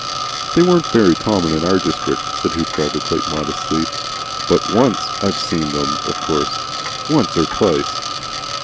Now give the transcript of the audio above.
"They weren't very common in our district," said Hoopdriver, quite modestly. "But I've seen them, of course. Once or twice."